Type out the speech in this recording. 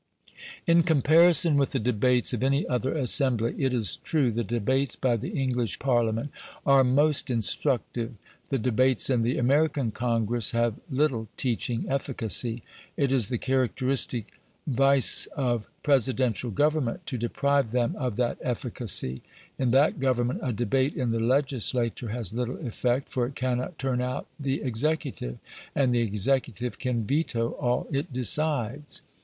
In comparison with the debates of any other assembly, it is true the debates by the English Parliament are most instructive. The debates in the American Congress have little teaching efficacy; it is the characteristic vice of Presidential government to deprive them of that efficacy; in that government a debate in the legislature has little effect, for it cannot turn out the executive, and the executive can veto all it decides.